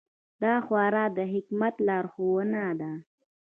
دا خورا د حکمت لارښوونه ده.